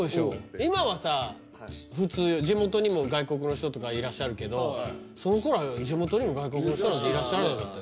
今はさ普通地元にも外国の人とかいらっしゃるけどその頃は地元にも外国の人なんていらっしゃらなかったよ